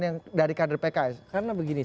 yang dari kader pks karena begini